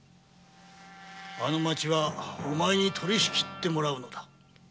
あの町はお前に取りしきってもらうのだ。